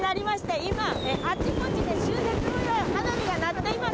今、あちこちで春節を祝う花火が鳴っています。